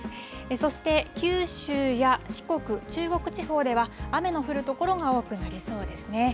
そして、九州や四国、中国地方では雨の降る所が多くなりそうですね。